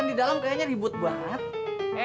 yang di dalam kayaknya ribut banget